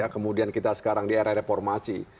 kemudian kita sekarang di era reformasi